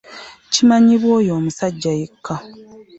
Kimanyimbwa oyo omusajja yekka .